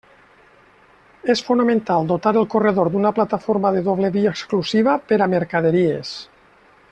És fonamental dotar el corredor d'una plataforma de doble via exclusiva per a mercaderies.